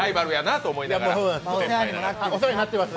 お世話になってます。